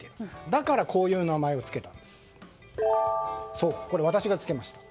だからこういう名前を付けました。